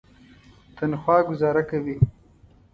تنخوا ګوزاره کوي.